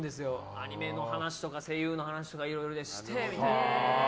アニメの話とか声優の話とかいろいろしてみたいな。